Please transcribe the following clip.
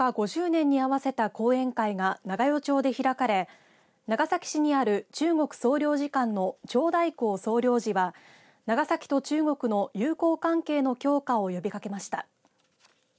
５０年に合わせた講演会が長与町で開かれ長崎市にある中国総領事館の張大興総領事は長崎と中国の友好関係の強化を呼びかけました。